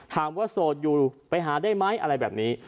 โสดอยู่ไปหาได้ไหมอะไรแบบนี้